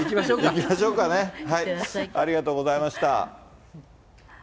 行きましょうかね、ありがとうございました。